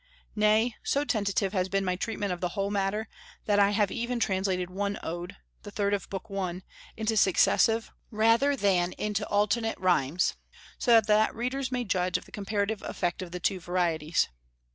Nay, so tentative has been my treatment of the whole matter, that I have even translated one Ode, the third of Book I, into successive rather than into alternate rhymes, so that readers may judge of the comparative effect of the two varieties.